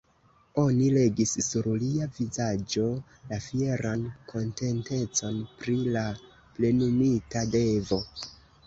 Oni legis sur lia vizaĝo la fieran kontentecon pri la plenumita devo.